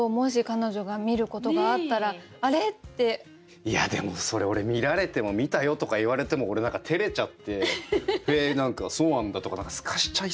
いやでもそれ俺見られても「見たよ」とか言われても俺何かてれちゃって「へえそうなんだ」とか何かすかしちゃいそうなんだよな。